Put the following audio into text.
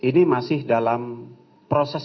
ini masih dalam proses